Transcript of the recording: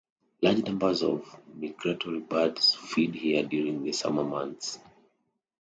Large numbers of migratory birds feed here during the summer months.